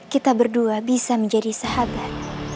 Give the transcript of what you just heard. kita berdua bisa menjadi sahabat